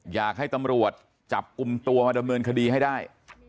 อยากให้ตำรวจจับกลุ่มตัวมาดำเนินคดีให้ได้